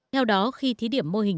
theo đó khi thí điểm mô hình chính quyền